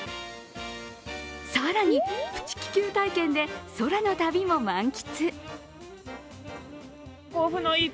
更にプチ気球体験で空の旅も満喫。